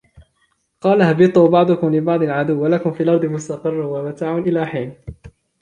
قال اهبطوا بعضكم لبعض عدو ولكم في الأرض مستقر ومتاع إلى حين